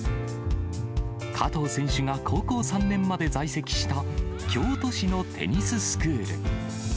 加藤選手が高校３年まで在籍した、京都市のテニススクール。